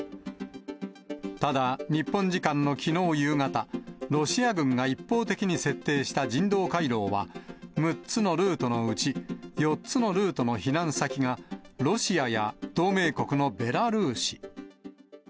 ただ、日本時間のきのう夕方、ロシア軍が一方的に設定した人道回廊は、６つのルートのうち４つのルートの避難先が、ロシアや同盟国のベラルーシ。